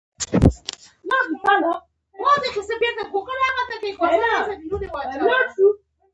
آیا ایران ښه هوټلونه نلري؟